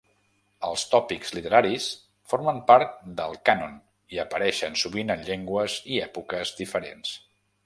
Els tòpics literaris formen part del cànon i apareixen sovint en llengües i èpoques diferents.